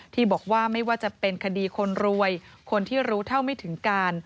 ที่บอกว่าไม่ว่าจะเป็นคดีคนรวยคนที่รู้เท่าไม่ถึงการ